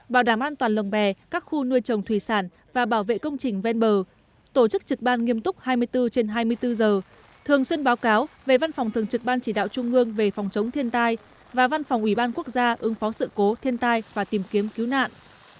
bảo đảm an toàn lồng bè các khu nuôi trồng thủy sản và bảo vệ công trình ven bờ tổ chức trực ban nghiêm túc hai mươi bốn trên hai mươi bốn giờ thường xuyên báo cáo về văn phòng thường trực ban chỉ đạo trung ương về phòng chống thiên tai và văn phòng ủy ban quốc gia ứng phó sự cố thiên tai và tìm kiếm cứu nạn